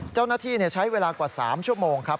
เจ้าหน้าที่ใช้เวลากว่า๓ชั่วโมงครับ